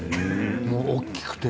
大きくて。